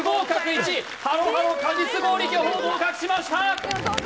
１ハロハロ果実氷巨峰合格しました！